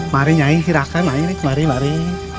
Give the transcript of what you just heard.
mari nyai hirakan nyai mari mari